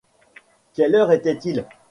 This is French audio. Quelle heure était-il?